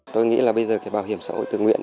tôi nghĩ là bây giờ cái bảo hiểm xã hội tự nguyện